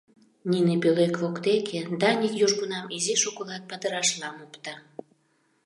Нине пӧлек воктеке Даник южгунам изи шоколад падырашлам опта.